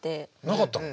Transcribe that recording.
なかったの？